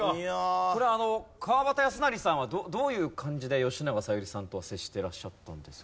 これあの川端康成さんはどういう感じで吉永小百合さんとは接してらっしゃったんですか？